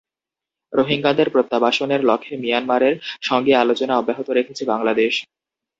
রোহিঙ্গাদের প্রত্যাবাসনের লক্ষ্যে মিয়ানমারের সঙ্গে আলোচনা অব্যাহত রেখেছে বাংলাদেশ।